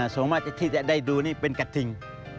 ส่วนมากที่จะได้ดูนี่เป็นกระทิง